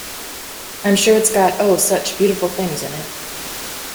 I’m sure it’s got, oh, such beautiful things in it!